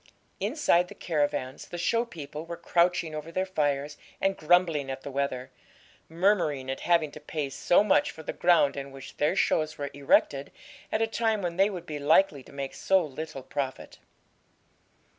Inside the caravans the show people were crouching over their fires and grumbling at the weather, murmuring at having to pay so much for the ground on which their shows were erected, at a time when they would be likely to make so little profit.